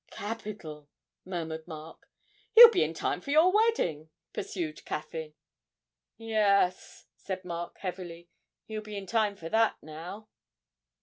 'Capital!' murmured Mark. 'He'll be in time for your wedding,' pursued Caffyn. 'Yes,' said Mark heavily, 'he'll be in time for that now.'